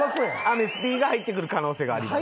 アメスピーが入ってくる可能性があります。